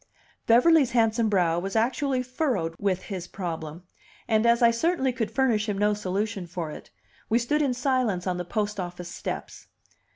Beverly's handsome brow was actually furrowed with his problem; and, as I certainly could furnish him no solution for it, we stood in silence on the post office steps.